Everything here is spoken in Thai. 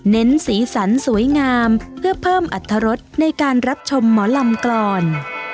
สีสันสวยงามเพื่อเพิ่มอัตรรสในการรับชมหมอลำก่อน